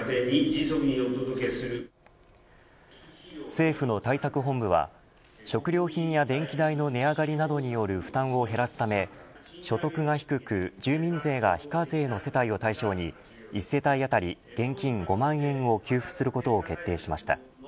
政府の対策本部は食料品や電気代の値上がりなどによる負担を減らすため所得が低く住民税が非課税の世帯を対象に１世帯当たり現金５万円を給付することを決定しました。